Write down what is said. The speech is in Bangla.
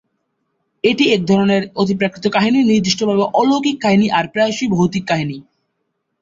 এটি একধরনের অতিপ্রাকৃত কাহিনী নির্দিষ্টভাবে "অলৌকিক কাহিনী", আর প্রায়শই ভৌতিক কাহিনী।